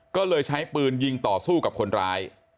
ก็เลยใช้ปืนยิงต่อสู้กับคนร้าย